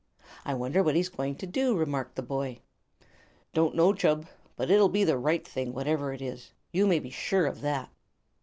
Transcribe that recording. "I wonder what he's going to do," remarked the boy. "Don't know, Chub; but it'll be the right thing, whatever it is. You may be sure of that."